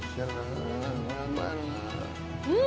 うん！